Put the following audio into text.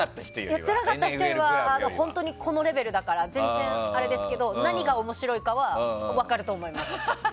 やってなかった人よりはこのレベルだから全然あれですけど何が面白いかは分かると思います。